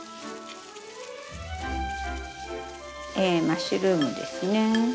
マッシュルームですね。